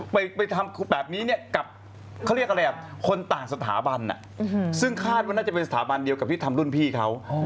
ไปทำแบบนี้เนี่ยกับเขาเรียกอะไรอ่ะคนต่างสถาบันซึ่งคาดว่าน่าจะเป็นสถาบันเดียวกับที่ทำรุ่นพี่เขา